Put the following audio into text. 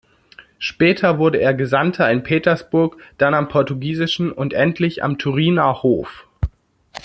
Später wurde er Gesandter in Petersburg, dann am portugiesischen und endlich am Turiner Hof.